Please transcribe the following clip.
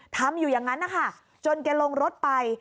ทำอยู่อย่างนั้นนะคะจนแกลงรถไป